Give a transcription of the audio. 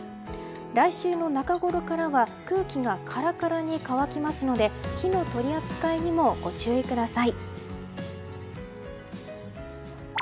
来週の中ごろからは空気がカラカラに乾きますので火の取り扱いにもご注意ください。